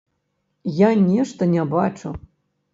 Я нешта не бачу.